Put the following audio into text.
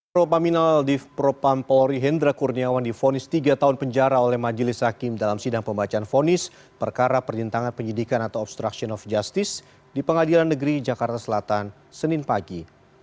pro paminal div propam polri hendra kurniawan difonis tiga tahun penjara oleh majelis hakim dalam sidang pembacaan fonis perkara perintangan penyidikan atau obstruction of justice di pengadilan negeri jakarta selatan senin pagi